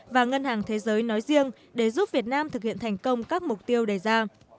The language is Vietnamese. và ngân hàng thế giới nói riêng để giúp việt nam thực hiện thành công các mục tiêu đề ra